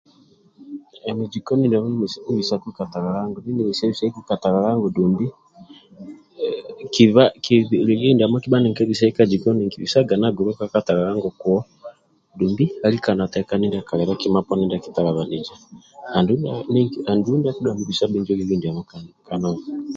Emi jikoni ndiamo nibhisaku katalalango ndie nimesia bisaiku katalalango dumbi kiba kiba lieli ndiamo kibha nikabisai ka jikoni nikibisaga nagulu ka katalalango kuwo dumbi alika natekani ndia kalibe kima poni ndia akitalibaniza andulu ndia akidhuwa nibisa lieli ndiamo kananka